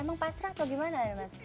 emang pasrah atau gimana ya mas